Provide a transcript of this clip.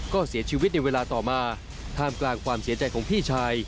ก็เสียชีวิตในเวลาต่อมาท่ามกลางความเสียใจของพี่ชาย